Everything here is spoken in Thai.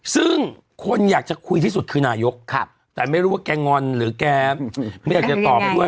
ซึ่งคนอยากจะคุยที่สุดคือนายกแต่ไม่รู้ว่าแกงอนหรือแกไม่อยากจะตอบไปด้วย